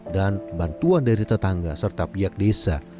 dan bantuan dari tetangga serta pihak desa